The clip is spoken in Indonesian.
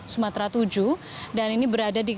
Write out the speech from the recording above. sumatera tujuh dan ini berada di